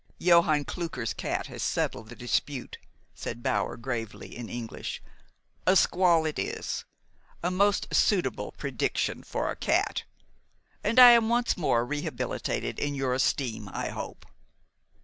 "Johann Klucker's cat has settled the dispute," said Bower gravely in English. "A squall it is, a most suitable prediction for a cat, and I am once more rehabilitated in your esteem, I hope?"